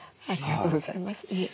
ありがとうございます。